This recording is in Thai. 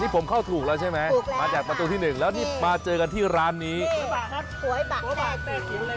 นี่ผมเข้าถูกแล้วใช่ไหมมาจากประตูที่๑แล้วนี่มาเจอกันที่ร้านนี้นี่ขวยบะแท่จิ๋ว